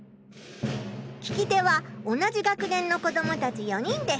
聞き手は同じ学年の子どもたち４人です。